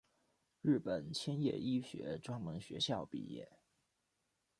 日本千叶医学专门学校毕业。